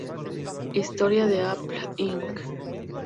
Historia de Apple Inc.